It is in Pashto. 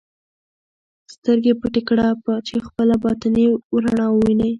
سترګې پټې کړه چې خپله باطني رڼا ووینې.